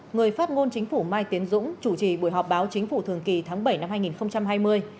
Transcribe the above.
người phát ngôn chính phủ mai tiến dũng chủ trì buổi họp báo chính phủ thường kỳ tháng bảy năm hai nghìn hai mươi